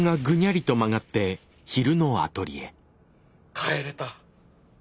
帰れた。